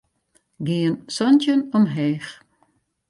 Gean santjin omheech.